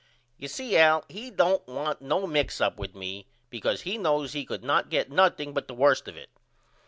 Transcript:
You see Al he don't want no mix up with me because he knows he could not get nothing but the worst of it.